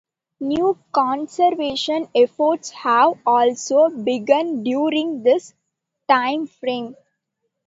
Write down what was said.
New conservation efforts have also begun during this timeframe.